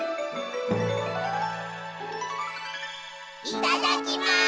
いただきます！